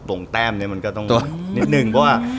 ต่วงเต้มมันก็ต้องนิดนึง